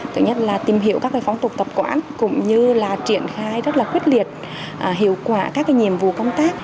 tự nhiên là tìm hiểu các phóng tục tập quản cũng như là triển khai rất là khuyết liệt hiệu quả các nhiệm vụ công tác